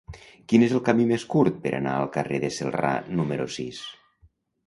Quin és el camí més curt per anar al carrer de Celrà número sis?